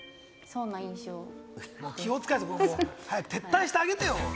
気を使ってる、早く撤退してあげてよ！